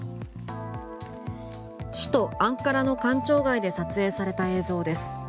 首都アンカラの官庁街で撮影された映像です。